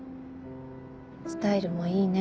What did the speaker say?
「スタイルもいいね」